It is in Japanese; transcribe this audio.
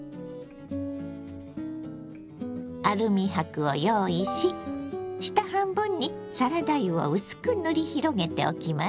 アルミ箔を用意し下半分にサラダ油を薄く塗り広げておきます。